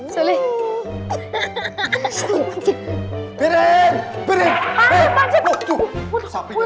sampai rumahku gimana